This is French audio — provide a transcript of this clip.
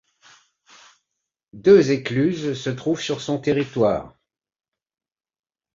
Deux écluses se trouvent sur son territoire.